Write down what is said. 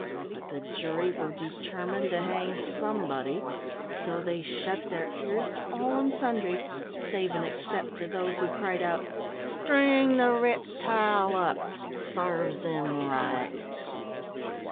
But the jury were determined to hang somebody, so they shut their ears to all and sundry, save and except to those who cried out, "String the riptile up sarves him right!"